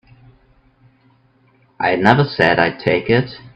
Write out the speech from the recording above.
I never said I'd take it.